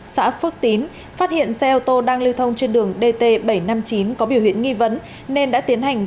xã phước tín phát hiện xe ô tô đang lưu thông trên đường dt bảy trăm năm mươi chín có biểu hiện nghi vấn nên đã tiến hành